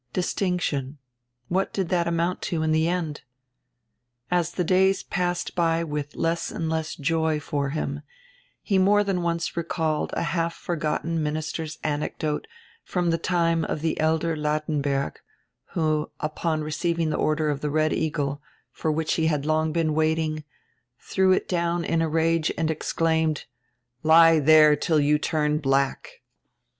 Distinction — what did that amount to in die end? As die days passed by with less and less of joy for him, he more dian once recalled a half forgotten minister's anecdote from die time of die elder Ladenberg, who, upon receiving die Order of die Red Eagle, for which he had long been waiting, direw it down in a rage and exclaimed: "Lie there till you turn black."